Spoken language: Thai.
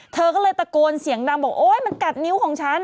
เธอก็เลยตะโกนเสียงดังบอกโอ๊ยมันกัดนิ้วของฉัน